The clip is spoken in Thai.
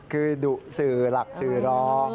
คือดุสื่อหลักสื่อรอง